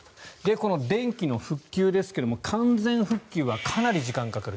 この電気の復旧ですが完全復旧はかなり時間がかかる。